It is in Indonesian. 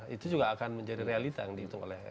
itu juga akan menjadi realita yang dihitung oleh